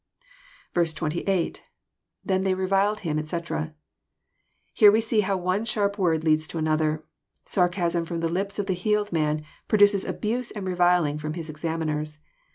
S8. — IThen they reviled Aim, etc,"] Here we see how one sharp word leads to another. Sarcasm Arom the lips of the healed man produces abuse and reviling from, his examiners.